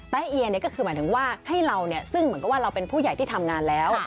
เอียก็คือหมายถึงว่าให้เราซึ่งเหมือนกับว่าเราเป็นผู้ใหญ่ที่ทำงานแล้ว